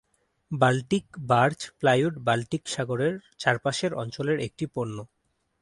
Baltic birch plywood Baltic সাগরের চারপাশের অঞ্চলের একটি পণ্য।